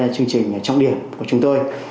chương trình trọng điểm của chúng tôi